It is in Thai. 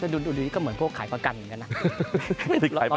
ดูดีก็เหมือนพวกขายประกันเหมือนกันนะ